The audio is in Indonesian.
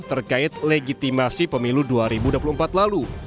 terkait legitimasi pemilu dua ribu dua puluh empat lalu